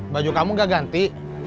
baju kamu nggak ganti